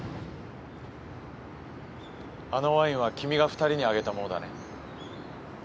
あのワインは君が２人にあげたものだね？